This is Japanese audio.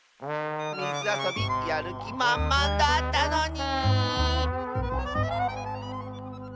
みずあそびやるきまんまんだったのに！